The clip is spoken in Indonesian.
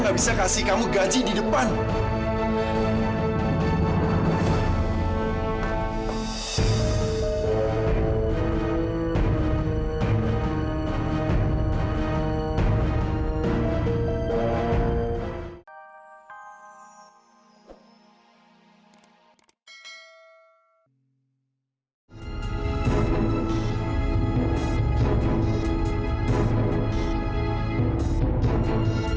aku harus bisa